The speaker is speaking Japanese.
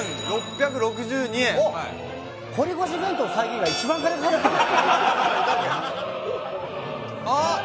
堀越弁当の再現が一番金かかってんじゃん。